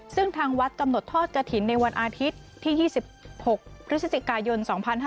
ซึ่งทางวัดกำหนดทอดกระถิ่นในวันอาทิตย์ที่๒๖พฤศจิกายน๒๕๕๙